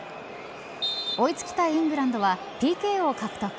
追い付きたいイングランドはＰＫを獲得。